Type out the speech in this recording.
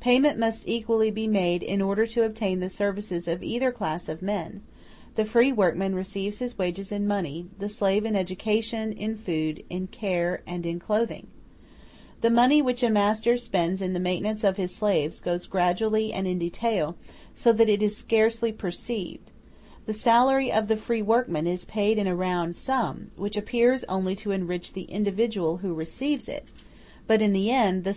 Payment must equally be made in order to obtain the services of either class of men: the free workman receives his wages in money, the slave in education, in food, in care, and in clothing. The money which a master spends in the maintenance of his slaves goes gradually and in detail, so that it is scarcely perceived; the salary of the free workman is paid in a round sum, which appears only to enrich the individual who receives it, but in the end the slave has cost more than the free servant, and his labor is less productive.